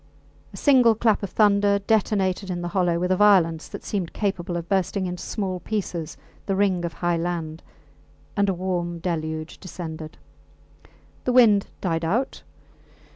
A single clap of thunder detonated in the hollow with a violence that seemed capable of bursting into small pieces the ring of high land, and a warm deluge descended. The wind died out.